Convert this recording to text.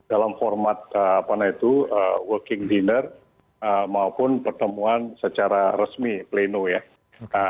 dalam format working dinner maupun pertemuan secara resmi pleno ya